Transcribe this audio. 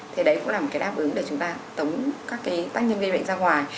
thì đấy cũng là một cái đáp ứng để chúng ta tống các cái tác nhân gây bệnh ra ngoài